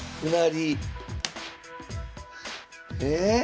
え⁉